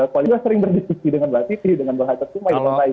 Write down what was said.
kualitas sering berdiskusi dengan mbak titi dengan bahasa sumayun dan lain lain